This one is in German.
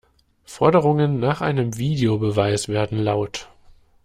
Forderungen nach einem Videobeweis werden laut.